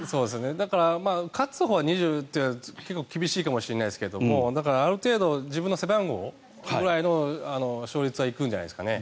だから、勝つほうは２０って厳しいかもしれないですけどもある程度自分の背番号ぐらいの勝率は行くんじゃないですかね。